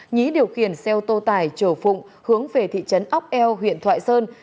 nhí điều khiển xe ô tô tải chở phụng hướng về thị trấn ốc eo huyện thoại sơn